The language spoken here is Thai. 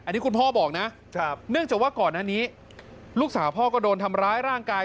อันนี้คุณพ่อบอกนะเนื่องจากว่าก่อนอันนี้ลูกสาวพ่อก็โดนทำร้ายร่างกาย